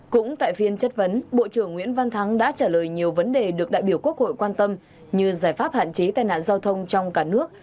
cũng tại phiên chất vấn bộ trưởng nguyễn văn thắng đã trả lời nhiều vấn đề được đại biểu quốc hội quan tâm như giải pháp hạn chế tai nạn giao thông trong cả nước